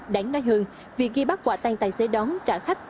đáng nói hơn việc ghi bắt quả tan tài xế đón trả khách